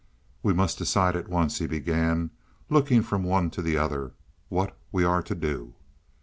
"We must decide at once," he began, looking from one to the other, "what we are to do.